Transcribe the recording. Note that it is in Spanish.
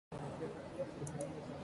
Temed vosotros delante de la espada;